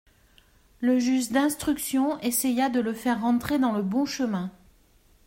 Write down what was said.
Le juge d'instruction essaya de le faire rentrer dans le bon chemin.